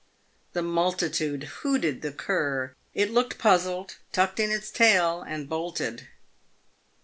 The multitude hooted the cur. It looked puzzled, tucked in his tail, and bolted.